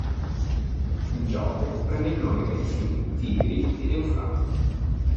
Il gioco prende il nome dai fiumi Tigri ed Eufrate.